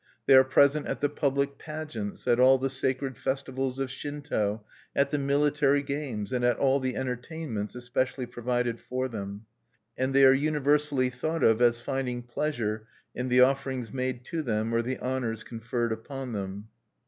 They are present at the public pageants, at all the sacred festivals of Shinto, at the military games, and at all the entertainments especially provided for them. And they are universally thought of as finding pleasure in the offerings made to them or the honors conferred upon them.